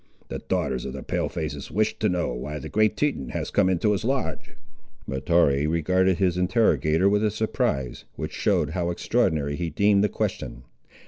The daughters of the Pale faces wish to know why the Great Teton has come into his lodge?" Mahtoree regarded his interrogator with a surprise, which showed how extraordinary he deemed the question.